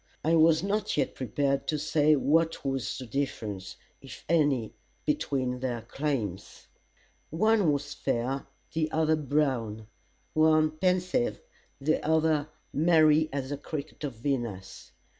I was not yet prepared to say what was the difference, if any, between their claims. One was fair, the other brown; one pensive, the other merry as the cricket of Venus.